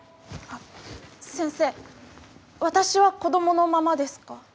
先生私は子供のままですか？